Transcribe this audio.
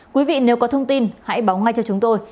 quý vị nếu có thông tin hãy báo ngay cho chúng tôi